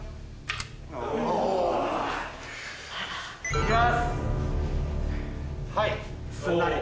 いきます！